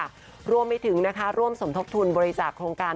รวมไปถึงนะคะร่วมสมทบทุนบริจาคโครงการ